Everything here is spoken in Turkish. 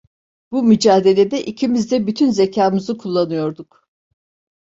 Bu mücadelede ikimiz de bütün zekamızı kullanıyorduk.